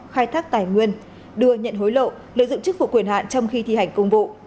khai thác tài nguyên đưa nhận hối lộ lợi dụng chức phục quyền hạn trong khi thi hành công vụ